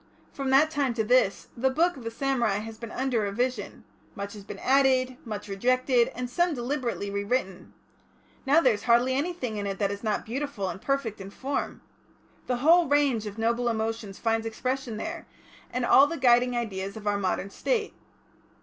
From that time to this, the Book of the Samurai has been under revision, much has been added, much rejected, and some deliberately rewritten. Now, there is hardly anything in it that is not beautiful and perfect in form. The whole range of noble emotions finds expression there, and all the guiding ideas of our Modern State.